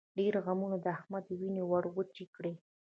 ډېرو غمونو د احمد وينې ور وچې کړې.